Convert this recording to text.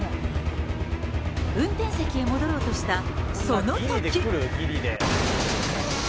運転席へ戻ろうとしたそのとき。